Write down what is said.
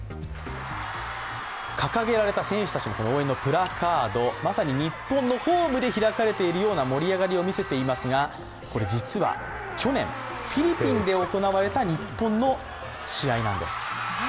掲げられた選手たちの応援のプラカードまさに日本のホームで開かれているような盛り上がりを見せていますがこれ、実は去年、フィリピンで行われた日本の試合なんです。